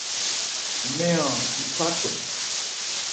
Mɛ́n-an, ń tha cɔn.